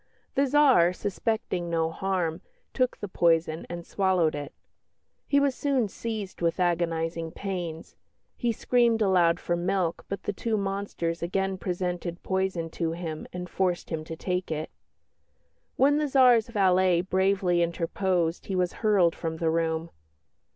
"The Tsar, suspecting no harm, took the poison and swallowed it. He was soon seized with agonising pains. He screamed aloud for milk, but the two monsters again presented poison to him and forced him to take it. When the Tsar's valet bravely interposed he was hurled from the room.